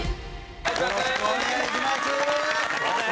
よろしくお願いします。